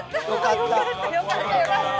よかった。